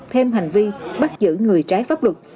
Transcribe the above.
thêm hành vi bắt giữ người trái pháp luật